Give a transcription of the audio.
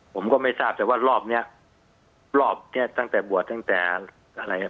ผมก็ไม่ทราบแต่ว่ารอบเนี้ยรอบเนี้ยตั้งแต่บวชตั้งแต่อะไร